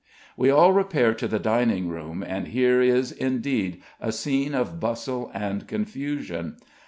We all repair to the dining room, and here is, indeed, a scene of bustle and confusion.